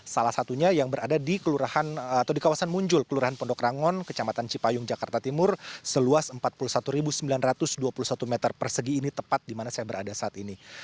salah satunya yang berada di kelurahan atau di kawasan muncul kelurahan pondok rangon kecamatan cipayung jakarta timur seluas empat puluh satu sembilan ratus dua puluh satu meter persegi ini tepat di mana saya berada saat ini